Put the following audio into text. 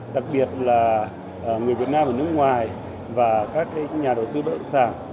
đặc biệt là người việt nam ở nước ngoài và các nhà đầu tư bất động sản